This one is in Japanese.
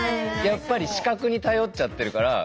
やっぱり視覚に頼っちゃってるから。